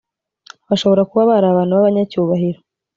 bashobora kuba bari abantu b'abanyacyubahiro,